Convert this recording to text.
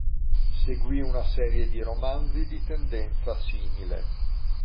Seguì una serie di romanzi di tendenza simile.